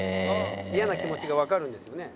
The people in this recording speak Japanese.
「イヤな気持ちがわかるんですよね？」。